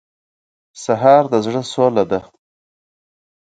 سهار د زړه سوله ده.